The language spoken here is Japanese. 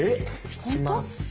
引きます。